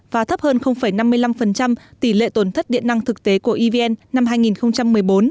và thấp hơn năm mươi năm tỷ lệ tổn thất điện năng thực tế của evn năm hai nghìn một mươi bốn